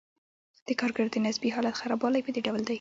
د کارګر د نسبي حالت خرابوالی په دې ډول دی